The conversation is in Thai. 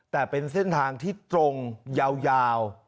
แต่เป็นเส้นทางที่ตรงยาว